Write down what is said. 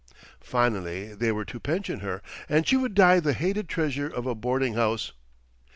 Finally they were to pension her, and she would die the hated treasure of a boarding house.